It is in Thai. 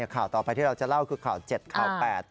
ข่าวต่อไปที่เราจะเล่าคือข่าว๗ข่าว๘